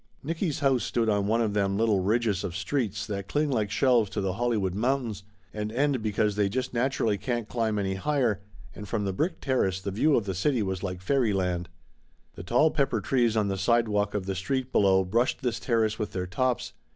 Nicky's house stood on one of them little ridges of streets that cling like shelves to the Hollywood moun Laughter Limited 191 tains, and end because they just naturally can't climb any higher, and from the brick terrace the view of the city was like fairyland. The tall pepper trees on the sidewalk of the street below brushed this terrace with their tops.